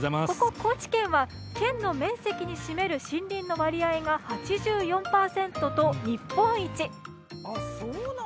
ここ高知県は県の面積に占める森林の割合が８４％と日本一。